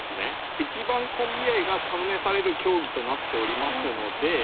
一番コンビ愛が試される競技となっておりますので。